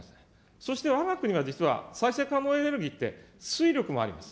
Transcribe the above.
そしてわが国は実は再生可能エネルギーって水力もあります。